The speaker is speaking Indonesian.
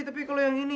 tapi kalau yang ini